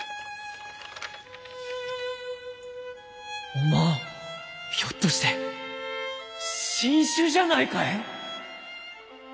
・おまんひょっとして新種じゃないかえ？